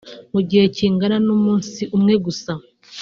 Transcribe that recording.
mu gihe kingana n’umunsi umwe gusa